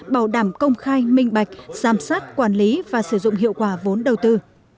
bảo đảm công khai minh bạch giám sát quản lý và sử dụng hiệu quả vốn đầu tư